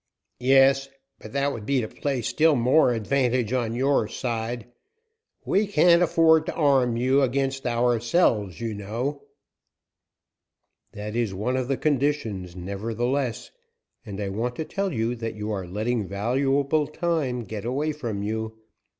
"Yes, but that would be to place still more advantage on your side. We can't afford to arm you against ourselves, you know." "That is one of the conditions, nevertheless, and I want to tell you that you are letting valuable time get away from you.